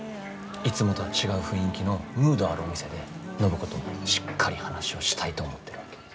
いつもとは違う雰囲気のムードあるお店で暢子としっかり話をしたいと思ってるわけ。